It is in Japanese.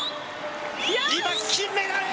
今、金メダル！